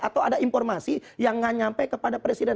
atau ada informasi yang nggak nyampe kepada presiden